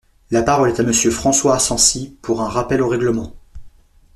La parole est à Monsieur François Asensi, pour un rappel au règlement.